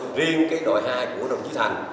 có biểu hiện mi võng riêng đội hai của đồng chí thành